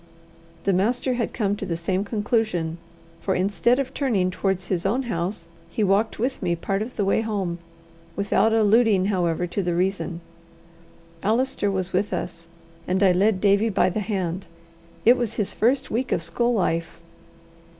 The master had come to the same conclusion, for instead of turning towards his own house, he walked with me part of the way home, without alluding however to the reason. Allister was with us, and I led Davie by the hand: it was his first week of school life.